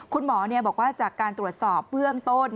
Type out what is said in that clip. คุณหมอบอกว่าจากการตรวจสอบเบื้องต้น